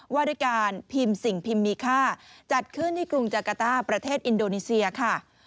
ว่าด้วยการพิมพ์สิ่งพิมพ์มีค่าจัดขึ้นที่กรุงจากาต้าประเทศอินโดนีเซียค่ะ